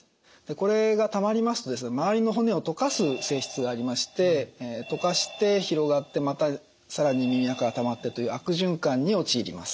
これがたまりますと周りの骨を溶かす性質がありまして溶かして広がってまた更に耳あかがたまってという悪循環に陥ります。